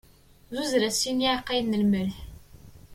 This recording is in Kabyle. Zzuzer-as sin yiɛqqayen n lmelḥ.